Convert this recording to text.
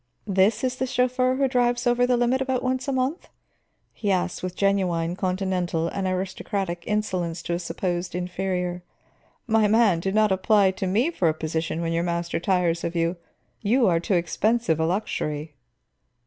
"This is the chauffeur who drives over the limit about once a month?" he asked, with genuine continental and aristocratic insolence to a supposed inferior. "My man, do not apply to me for a position when your master tires of you; you are too expensive a luxury."